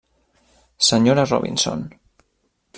Senyora Robinson.